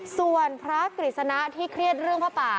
ส่วนพระกฤษณะที่เครียดเรื่องผ้าป่า